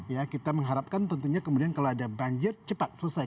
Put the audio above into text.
ya kita mengharapkan tentunya kemudian kalau ada banjir cepat selesai